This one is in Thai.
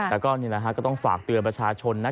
แต่ก็นี่แหละฮะก็ต้องฝากเตือนประชาชนนะ